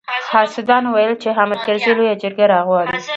حاسدانو ويل چې حامد کرزي لويه جرګه راغواړي.